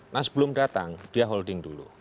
nah sebelum datang dia holding dulu